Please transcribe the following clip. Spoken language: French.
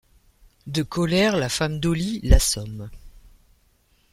De colère la femme d'Ollie l'assomme.